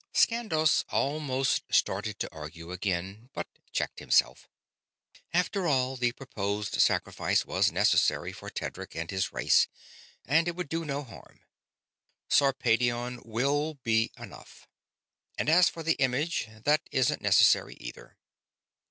Skandos almost started to argue again, but checked himself. After all, the proposed sacrifice was necessary for Tedric and his race, and it would do no harm. "Sarpedion will be enough. And as for the image, that isn't necessary, either."